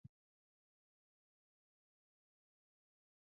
The New York City Bus routes stop on Delancey Street.